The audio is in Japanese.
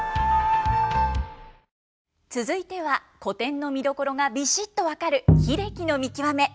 続いては古典の見どころがビシっと分かる英樹さん